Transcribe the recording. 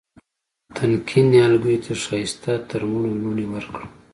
تنکي نهالګیو ته ښایسته ترمڼو لوڼې ورکړه